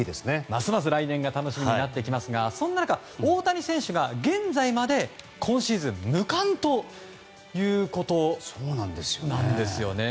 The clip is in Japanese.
ますます来年が楽しみになってきますがそんな中、大谷選手が現在まで今シーズン無冠ということなんですよね。